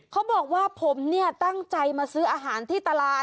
เขาบอกว่าผมเนี่ยตั้งใจมาซื้ออาหารที่ตลาด